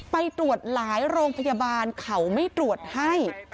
ไปตรวจหลายโรงพยาบาลเขาไม่ตรวจให้